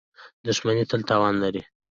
• دښمني تل تاوان لري.